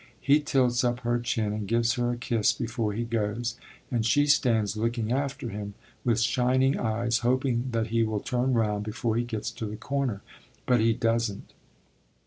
He tilts up her chin and gives her a kiss before he goes; and she stands looking after him with shining eyes, hoping that he will turn round before he gets to the corner. But he doesn't.